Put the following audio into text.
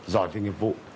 giỏi về nghiệp vụ